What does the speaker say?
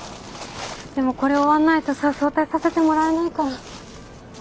でもこれ終わんないとさ早退させてもらえないから。